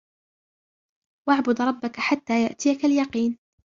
واعبد ربك حتى يأتيك اليقين